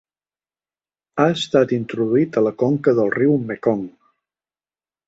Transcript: Ha estat introduït a la conca del riu Mekong.